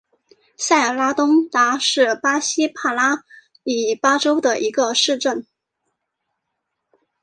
塞拉雷东达是巴西帕拉伊巴州的一个市镇。